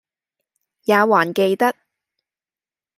也還記得，